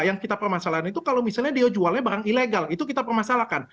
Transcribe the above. yang kita permasalahkan itu kalau misalnya dia jualnya barang ilegal itu kita permasalahkan